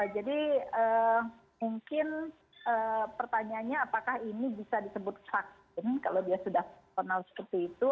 jadi mungkin pertanyaannya apakah ini bisa disebut vaksin kalau dia sudah personal seperti itu